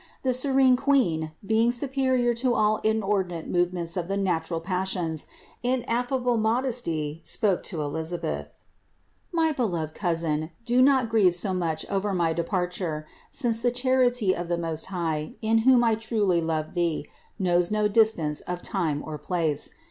The serene Queen, be ing superior to all inordinate movements of the natural passions, in affable modesty spoke to Elisabeth: "My beloved cousin, do not grieve so much over my de parture, since the charity of the Most High, in whom I truly love thee, knows no distance of time or place.